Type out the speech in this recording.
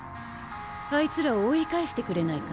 あいつらを追い返してくれないか？